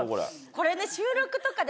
これね。